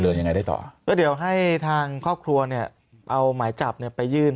ยังไงได้ต่อก็เดี๋ยวให้ทางครอบครัวเนี่ยเอาหมายจับเนี่ยไปยื่น